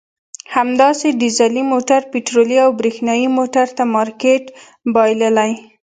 همداسې ډیزلي موټر پټرولي او برېښنایي موټر ته مارکېټ بایللی.